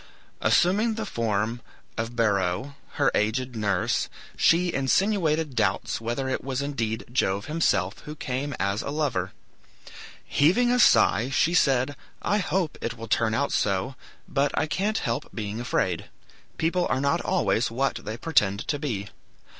Assuming the form of Beroe, her aged nurse, she insinuated doubts whether it was indeed Jove himself who came as a lover. Heaving a sigh, she said, "I hope it will turn out so, but I can't help being afraid. People are not always what they pretend to be.